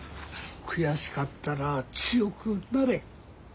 悔しかったら強くなれ。